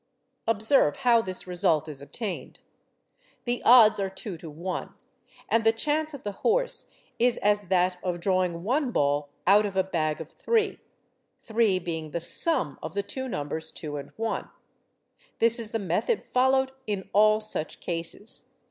Observe how this result is obtained: the odds are 2 to 1, and the chance of the horse is as that of drawing one ball out of a bag of three—three being the sum of the two numbers 2 and 1. This is the method followed in all such cases.